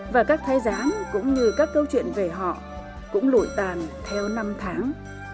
và các thái dán cũng như các câu chuyện về họ cũng lụi tàn theo năm tháng